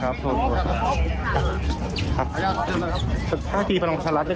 รถรถหลังล่ะครับ